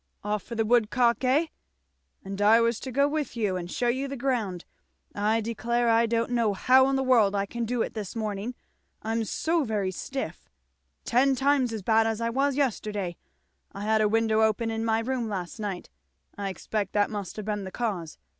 Off for the woodcock, hey? And I was to go with you and shew you the ground. I declare I don't know how in the world I can do it this morning, I'm so very stiff ten times as bad as I was yesterday. I had a window open in my room last night, I expect that must have been the cause.